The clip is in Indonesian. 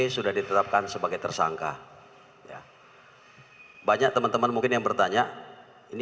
sejak ditetapkan sebagai tersangka pc belum ditahan dengan alasan sakit